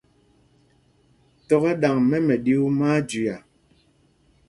Tɔ̄ kɛ ɗaŋ mɛ́ mɛɗyuu, má á jüia.